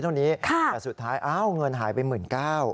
แต่สุดท้ายเงินหายไปหมื่นเก้า